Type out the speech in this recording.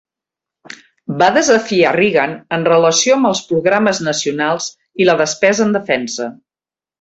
Va desafiar Reagan en relació amb els programes nacionals i la despesa en defensa.